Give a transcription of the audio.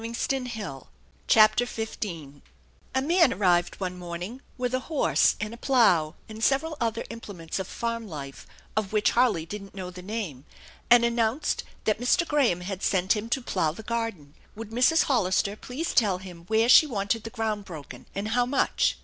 bb ow *>d libwia w CHAPTER XV A MAN arrived one morning with a horse and a plough and several other implements of farm life of which Harley didn't know the name, and announced that Mr. Graham had sent him to plough the garden. Would Mrs. Hollister please tell him where she wanted the ground broken, and how much?